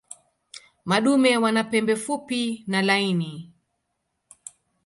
Madume wana pembe fupi na laini.